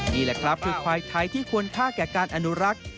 นี่แหละครับคือควายไทยที่ควรค่าแก่การอนุรักษ์